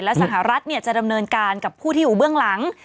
และสหรัฐจะดำเนินการกับผู้ที่อยู่เบื้องหลัง